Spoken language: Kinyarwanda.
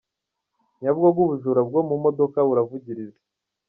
Nyabugogo Ubujura bwo mu modoka buravugiriza